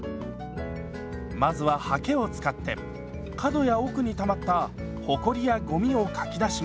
まずははけを使って角や奥にたまったほこりやごみをかき出します。